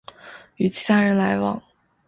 与其他人来往